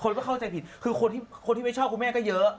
รักแชคมุบัติเหตุเลย